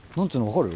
分かる？